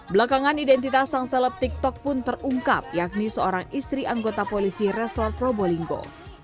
belakangan identitas sang seleb tiktok pun terungkap yakni seorang istri anggota polisi resort probolinggo